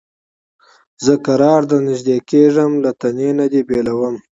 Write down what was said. زه کرار درنیژدې کېږم له تنې دي بېلومه